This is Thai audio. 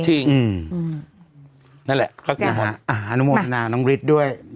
นั่นแหละก็คืออนุโมทนาน้องฤทธิ์ด้วย